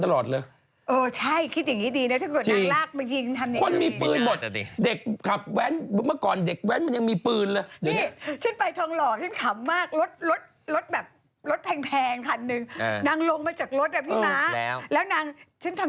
เต็มซาก่อนงานไปซื้อแถวนั้นเนี่ย